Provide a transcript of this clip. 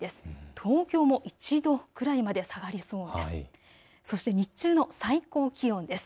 東京も１度くらいまで下がりそうです。